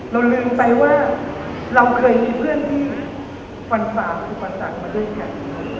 เราลืมไปว่าเราเคยมีเพื่อนที่ฝันฟ้าฝันตักมาด้วยกัน